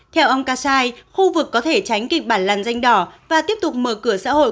theo ông kassai khu vực có thể tránh kịch bản lằn danh đỏ và tiếp tục mở cửa xã hội